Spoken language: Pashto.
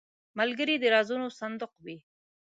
ملګری د رازونو صندوق وي